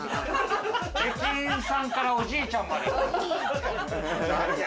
駅員さんからおじいちゃんまで。